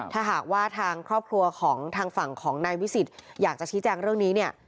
ถ้าหากว่าทางครอบครัวของทางฝั่งของนายวิสิทธิ์อยากจะชี้แจงเรื่องนี้เนี่ย